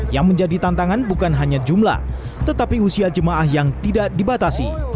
yang menjadi tantangan bukan hanya jumlah tetapi usia jemaah yang tidak dibatasi